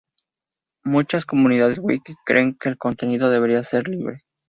Muchas comunidades wiki creen que el contenido debería de ser libre.